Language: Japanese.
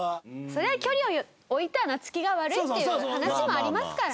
それは距離を置いた夏希が悪いっていう話もありますから。